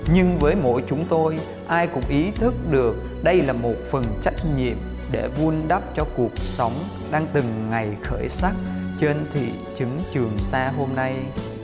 nhưng với mỗi chúng tôi ai cũng ý thức được đây là một phần trách nhiệm để vun đắp cho cuộc sống đang từng ngày khởi sắc trên thị trường xa hôm nay